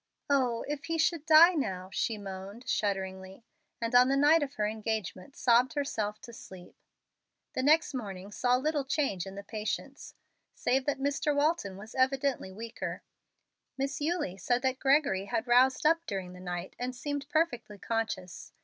"Oh, if he should die now!" she moaned, shudderingly, and on the night of her engagement sobbed herself to sleep. The next morning saw little change in the patients, save that Mr. Walton was evidently weaker. Miss Eulie said that Gregory had roused up during the night and seemed perfectly conscious.